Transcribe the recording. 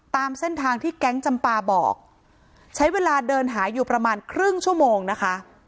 ตามเส้นทางที่แก๊งจำปาบอกใช้เวลาเดินหาอยู่ประมาณครึ่งชั่วโมงนะคะ